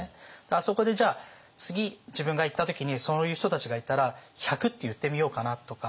あそこでじゃあ次自分が行った時にそういう人たちがいたら１００って言ってみようかなとか。